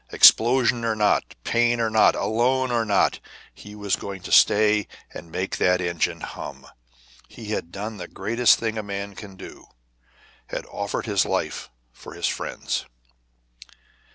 Explosion or not, pain or not, alone or not, he was going to stay and make that engine hum. He had done the greatest thing a man can do had offered his life for his friends.